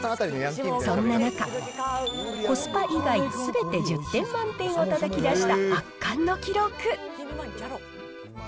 そんな中、コスパ以外、すべて１０点満点をたたき出した圧巻の記録。